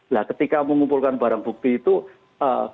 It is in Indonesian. nah ketika mengumpulkan barang bukti itu ee